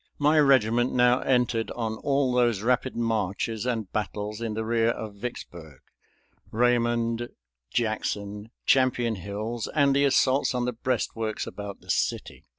My regiment now entered on all those rapid marches and battles in the rear of Vicksburg Raymond, Jackson, Champion Hills, and the assaults on the breastworks about the city.